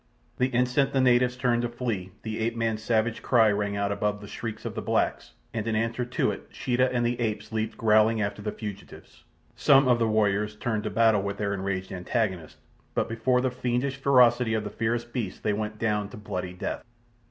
The instant the natives turned to flee the ape man's savage cry rang out above the shrieks of the blacks, and in answer to it Sheeta and the apes leaped growling after the fugitives. Some of the warriors turned to battle with their enraged antagonists, but before the fiendish ferocity of the fierce beasts they went down to bloody death.